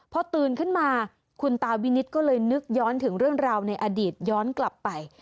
พอตื่นขึ้นมาคุณตาวินิตก็เลยนึกย้อนถึงเรื่องราวในอดีตย้อนกลับไป